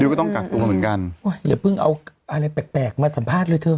ก็ต้องกักตัวเหมือนกันอย่าเพิ่งเอาอะไรแปลกแปลกมาสัมภาษณ์เลยเธอ